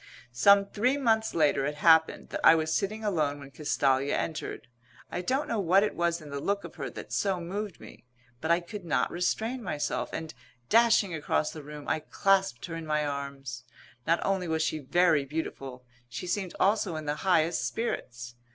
Some three months later it happened that I was sitting alone when Castalia entered. I don't know what it was in the look of her that so moved me; but I could not restrain myself, and, dashing across the room, I clasped her in my arms. Not only was she very beautiful; she seemed also in the highest spirits.